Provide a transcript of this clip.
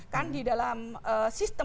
kan di dalam sistem